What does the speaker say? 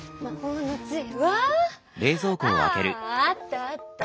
ああったあった。